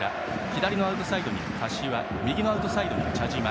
左のアウトサイドに柏右のアウトサイドに茶島